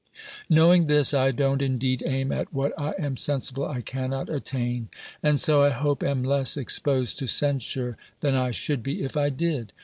Knowing this, I don't indeed aim at what I am sensible I cannot attain; and so, I hope, am less exposed to censure than I should be if I did.